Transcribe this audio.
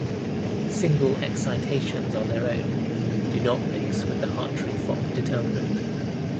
Single excitations on their own do not mix with the Hartree-Fock determinant.